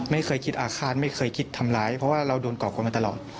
ไม่เคยคิดอาฆาตไม่เคยคิดทำร้ายเพราะว่าเราโดนก่อกวนมาตลอด